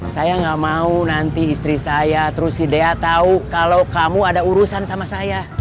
saya nggak mau nanti istri saya terus sidea tahu kalau kamu ada urusan sama saya